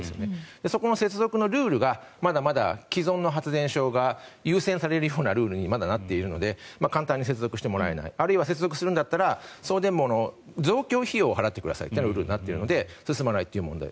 その接続のルールがまだまだ既存の発電所が優先されるようなルールにまだなっているので簡単に接続してもらえない接続するとなると送電網の増強費用を払ってくださいとなるので進まないという問題。